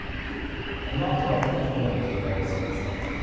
このあとはどんなところに警戒が必要ですか。